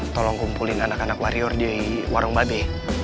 tolong kumpulin anak anak warrior di warung babe